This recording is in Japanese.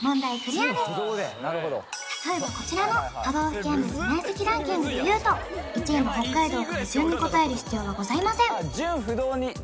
なるほど例えばこちらの都道府県別面積ランキングでいうと１位の北海道から順に答える必要はございませんあっ